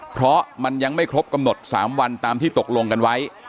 เพราะมันยังไม่ครบกำหนด๓วันตามที่ตกลงกันไว้